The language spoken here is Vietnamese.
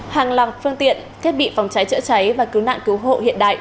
hàng loạt phương tiện thiết bị phòng cháy chữa cháy và cứu nạn cứu hộ hiện đại